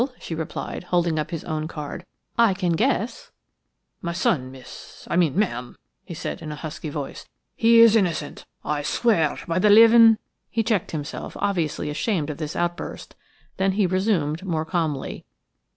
she replied, holding up his own card, "I can guess." "My son, miss–I mean ma'am," he said in a husky voice. "He is innocent. I swear it by the living–" He checked himself, obviously ashamed of this outburst; then he resumed more calmly.